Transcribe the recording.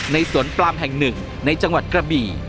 สวนปลามแห่งหนึ่งในจังหวัดกระบี่